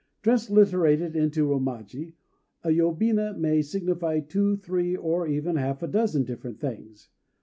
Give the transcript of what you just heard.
Transliterated into Romaji, a yobina may signify two, three, or even half a dozen different things.